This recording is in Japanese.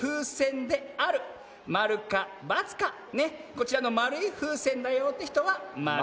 こちらのまるいふうせんだよってひとは○。